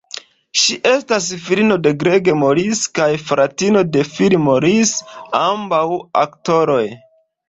Ŝi estas filino de Greg Morris kaj fratino de Phil Morris, ambaŭ aktoroj.